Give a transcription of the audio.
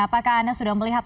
apakah anda sudah melihat